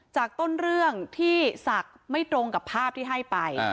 จากต้นเรื่องที่ศักดิ์ไม่ตรงกับภาพที่ให้ไป